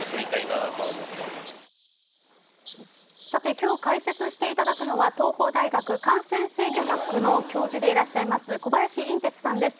今日解説していただくのは東邦大学感染制御学の教授でいらっしゃいます小林寅てつさんです。